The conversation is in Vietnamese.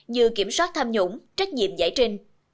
như kiểm soát tham nhũng trách nhiệm giải trình